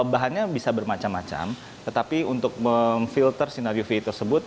bahannya bisa bermacam macam tetapi untuk memfilter sinar uv tersebut